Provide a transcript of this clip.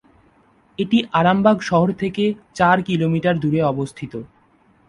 এটি আরামবাগ শহর থেকে চার কিলোমিটার দূরে অবস্থিত।